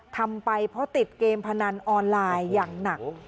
ทำไปเพราะติดเกมพนันออนไลน์อย่างหนัก